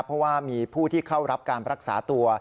เพราะว่ามีผู้ที่เข้ารับการรักษาตัว